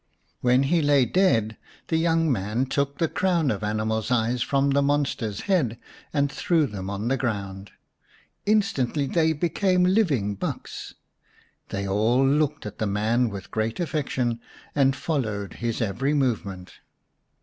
When he lay dead the young man took the crown of animals' eyes from the monster's head and threw them on the ground. Instantly they became lisdng bucks. They all looked at the man with great affection, and followed his every movement.